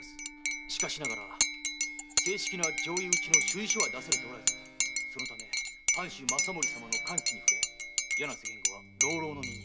しかしながら正式な上意討ちの趣意書は出されておらずそのため藩主・政森様の勘気に触れ柳瀬源吾は浪々の身に。